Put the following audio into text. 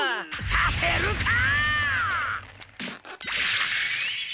させるか！